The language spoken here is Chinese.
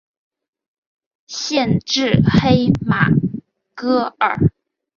县治黑马戈尔。